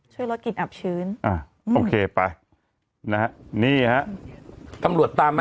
ช่วยลดกลิ่นอับชื้นอ่าโอเคไปนะฮะนี่ฮะตำรวจตามมา